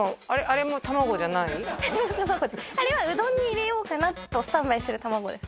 あれはうどんに入れようかなとスタンバイしてる卵です